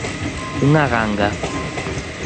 Unha ganga.